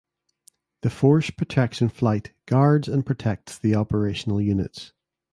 The force protection flight guards and protects the operational units.